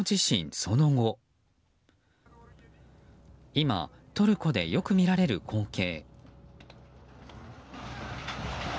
今、トルコでよく見られる光景。